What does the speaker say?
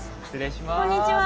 こんにちは。